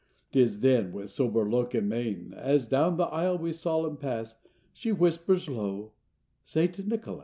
Tis then with sober look, and mein, As down the aisle we, solemn, pass, She whispers low, 'St. Nicholas.